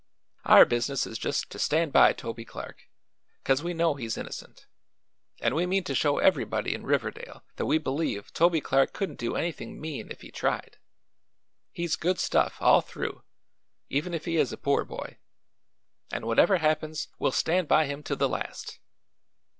Our business is just to stand by Toby Clark, 'cause we know he's innocent, and we mean to show ev'rybody in Riverdale that we believe Toby Clark couldn't do anything mean if he tried. He's good stuff, all through, even if he is a poor boy, and whatever happens we'll stand by him to the last."